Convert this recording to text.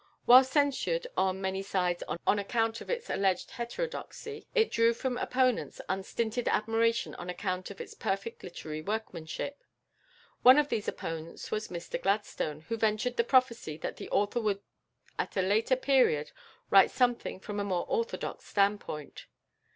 While censured on many sides on account of its alleged heterodoxy, it drew from opponents unstinted admiration on account of its perfect literary workmanship. One of these opponents was Mr Gladstone, who ventured the prophecy that the author would at a later period write something from a more orthodox standpoint.